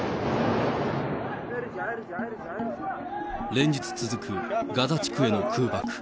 連日続くガザ地区への空爆。